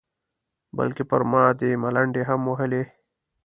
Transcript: بلکې پر ما دې ملنډې هم وهلې.